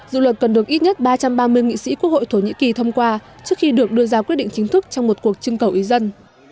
dự luật cần được ít nhất ba trăm ba mươi nghị sĩ quốc hội thổ nhĩ kỳ thông qua trước khi được đưa ra quyết định chính thức trong một cuộc trưng cầu ý dân